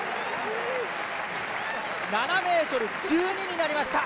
７ｍ１２になりました。